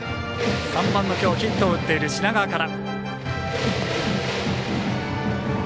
３番のきょうヒットを打っている品川から。